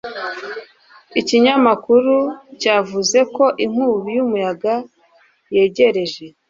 Ikinyamakuru cyavuze ko inkubi yumuyaga yegereje